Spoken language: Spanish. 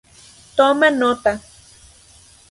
Toma nota.